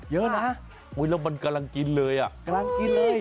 เยอะนะแล้วมันกำลังกินเลยอ่ะกำลังกินเลย